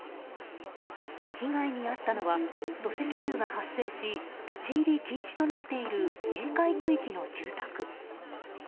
被害に遭ったのは土石流が発生し立ち入り禁止となっている警戒区域の住宅。